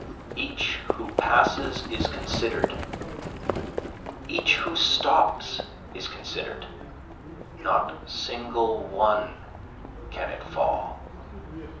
Each who passes is consider'd, each who stops is consider'd, not single one can it fall.